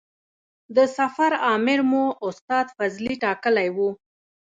د سفر امر مو استاد فضلي ټاکلی و.